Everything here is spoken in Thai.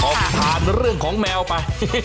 ผ่านเรื่องของแมวไป